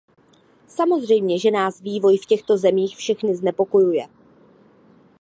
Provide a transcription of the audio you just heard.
Samozřejmě že nás vývoj v těchto zemích všechny znepokojuje.